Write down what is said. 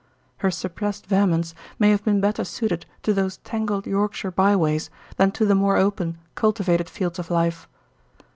Her suppressed vehemence may have been better suited to those tangled Yorkshire byways than to the more open, cultivated fields of life.